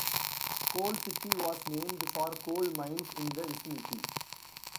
Coal City was named for coal mines in the vicinity.